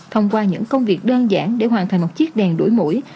thông qua những công việc đơn giản để hoàn thành một chiếc đèn đổi mũi